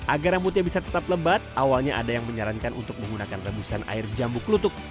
agar rambutnya bisa tetap lembat awalnya ada yang menyarankan untuk menggunakan rebusan air jambu klutuk